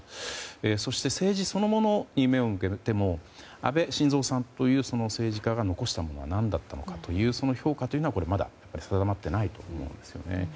そして政治そのものに目を向けても安倍晋三さんという政治家が残したものが何だったのかという評価がまだ、定まっていないと思うんですよね。